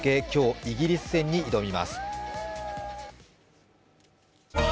今日、イギリス戦に挑みます。